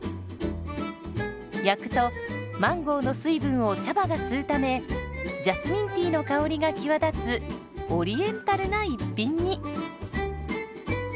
焼くとマンゴーの水分を茶葉が吸うためジャスミンティーの香りが際立つオリエンタルな一品に。